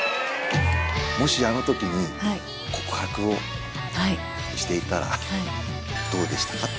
もしあのときに、告白をしていたらどうでしたか？